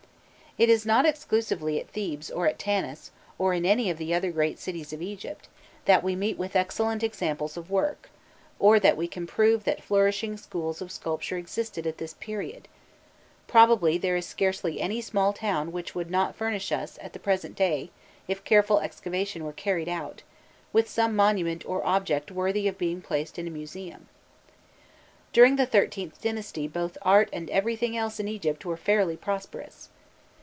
It is not exclusively at Thebes, or at Tanis, or in any of the other great cities of Egypt, that we meet with excellent examples of work, or that we can prove that flourishing schools of sculpture existed at this period; probably there is scarcely any small town which would not furnish us at the present day, if careful excavation were carried out, with some monument or object worthy of being placed in a museum. During the XIIIth dynasty both art and everything else in Egypt were fairly prosperous.